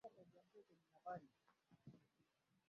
rais lauren bagbo wa cote de voire azidi kutunisha misuli